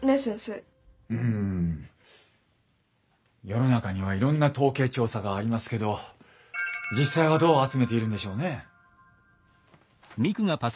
世の中にはいろんな統計調査がありますけど実際はどう集めているんでしょうね？